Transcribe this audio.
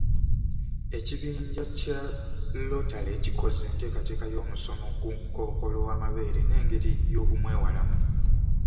Ekibinja kya lotale kikoze enteekateeka y'omusomo ku kkookolo w'amabeere n'engeri y'okumwewalamu.